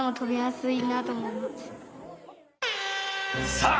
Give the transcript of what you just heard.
さあ！